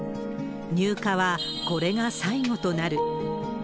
入荷はこれが最後となる。